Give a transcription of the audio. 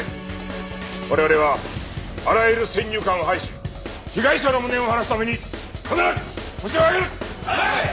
我々はあらゆる先入観を排し被害者の無念を晴らすために必ずホシを挙げる！